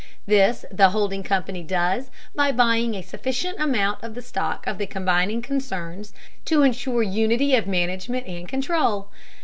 This the holding company does by buying a sufficient amount of the stock of the combining concerns to insure unity of management and control.